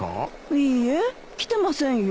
いいえ来てませんよ。